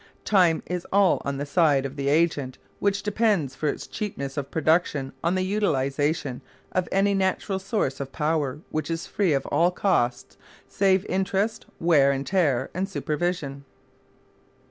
Time is all on the side of the agent which depends for its cheapness of production on the utilisation of any natural source of power which is free of all cost save interest, wear and tear, and supervision.